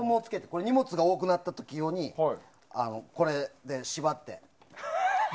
荷物が多くなった時用にこれで縛って。